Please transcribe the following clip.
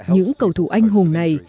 những cầu thủ anh hùng này